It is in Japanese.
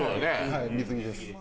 はい水着です。